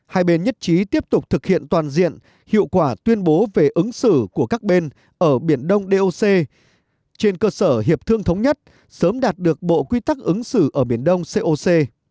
hai bên nhất trí tiếp tục thực hiện toàn diện hiệu quả tuyên bố về ứng xử của các bên ở biển đông doc trên cơ sở hiệp thương thống nhất sớm đạt được bộ quy tắc ứng xử ở biển đông coc